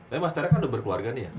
tapi mas tera kan udah berkeluarga nih ya